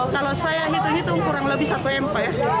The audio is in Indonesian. kalau saya hitung itu kurang lebih satu mp ya